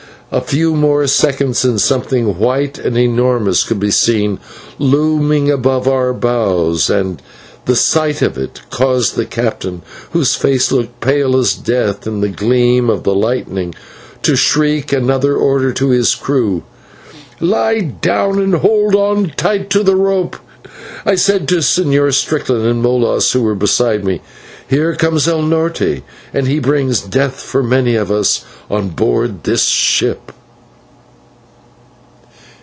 A few more seconds and something white and enormous could be seen looking above our bows, and the sight of it caused the captain, whose face looked pale as death in the gleam of the lightnings, to shriek another order to his crew. "Lie down and hold on tight to the rope," I said to the Señor Strickland and Molas, who were beside me, "here comes /el Norte/, and he brings death for many of us on board this ship."